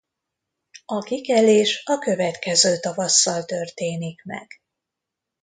A kikelés a következő tavasszal történik meg.